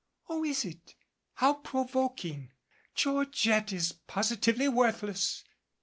"Oh, is it? How provoking! Georgette is positively worthless